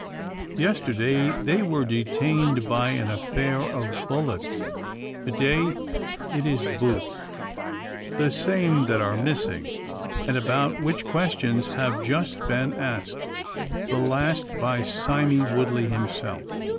Yesterday they were detained by an affair of bullets to day it is boots. The same that are missing, and about which questions have just been asked, the last by Sime Woodley himself.